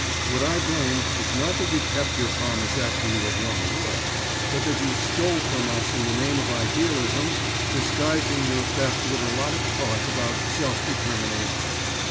What I blame is not that you kept your promise after you had won the war, but that you stole from us in the name of idealism, disguising your theft with a lot of talk about self determination.